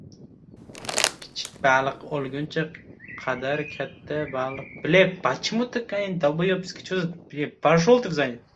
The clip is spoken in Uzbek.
• Kichik baliq o‘lgunga qadar katta baliq bo‘lishni umid qiladi.